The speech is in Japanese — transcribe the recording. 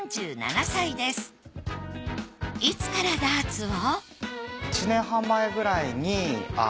いつからダーツを？